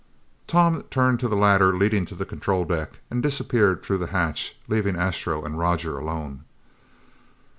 Tom turned to the ladder leading to the control deck and disappeared through the hatch, leaving Astro and Roger alone.